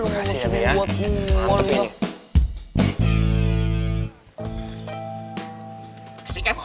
kasian ya be mantep ini